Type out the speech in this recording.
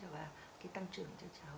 và cái tăng trưởng cho cháu